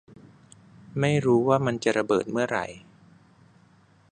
ไม่รู้ว่ามันจะระเบิดเมื่อไหร่